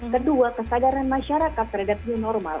kedua kesadaran masyarakat terhadap new normal